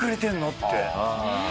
って。